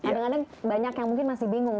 kadang kadang banyak yang mungkin masih bingung